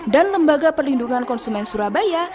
dan lembaga perlindungan konsumen surabaya